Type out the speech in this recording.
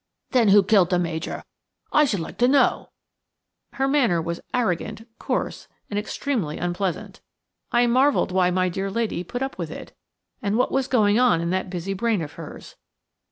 "Then who killed the Major, I should like to know?" Her manner was arrogant, coarse, and extremely unpleasant. I marvelled why my dear lady put up with it, and what was going on in that busy brain of hers.